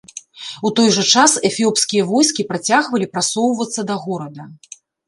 У той жа час, эфіопскія войскі працягвалі прасоўвацца да горада.